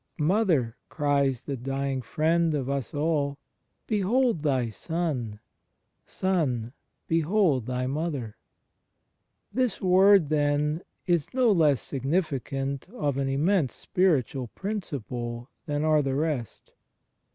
"Mother," cries the dying Friend of us all, "behold thy son. Son, behold thy Mother!" This word, then, is no less significant of an immense spiritual principle than are the rest.